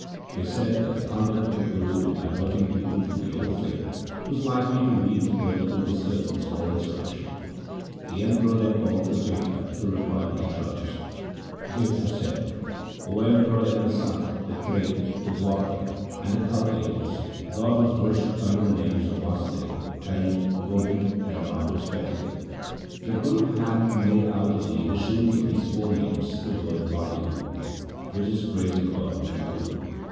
They said that the conduct of the Guru in diverting people from the old faith was likely to lead to politi cal disturbance or insurrection. The Emperor then called for Jetha to reply to the charges. Jetha said, 'O Emperor, in the Sat, the Treta, the Dwapar, and the Kal ages God was worshipped under the names of Wasdev, Hari, Gobind, and Ram 1 Ramkali ki War I. LIFE OF GURU AMAR DAS 107 respectively. The Guru hath made out of the initials of these four names the word Wahguru, which is praise of God and the Guru.